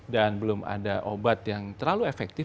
dan belum ada obat yang terlalu efektif